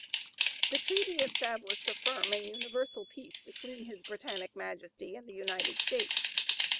The treaty established "a firm and universal peace between his Britannic Majesty and the United States."